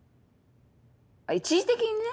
一時的にね。